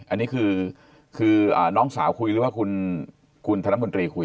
อันนี้คือน้องสาวคุยหรือว่าคุณธนมนตรีคุย